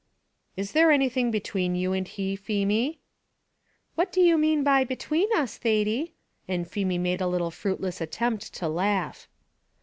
"Is there anything between you and he, Feemy?" "What do you mean by between us, Thady?" and Feemy made a little fruitless attempt to laugh.